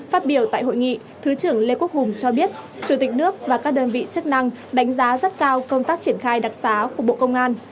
phát biểu tại hội nghị thứ trưởng lê quốc hùng cho biết chủ tịch nước và các đơn vị chức năng đánh giá rất cao công tác triển khai đặc sá của bộ công an